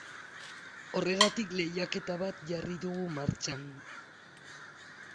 Horregatik lehiaketa bat jarri dugu martxan.